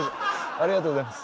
ありがとうございます。